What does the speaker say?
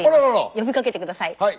呼びかけて下さい。